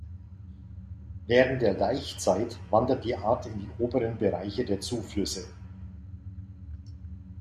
Während der Laichzeit wandert die Art in die oberen Bereiche der Zuflüsse.